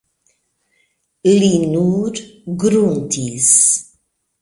Li nur gruntis.